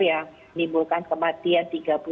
yang nimbulkan kematian